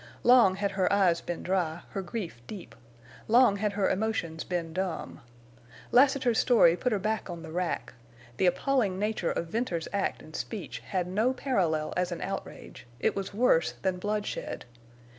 Long had her eyes been dry, her grief deep; long had her emotions been dumb. Lassiter's story put her on the rack; the appalling nature of Venters's act and speech had no parallel as an outrage; it was worse than bloodshed.